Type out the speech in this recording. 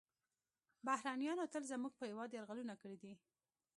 بهرنیانو تل زموږ په هیواد یرغلونه کړي دي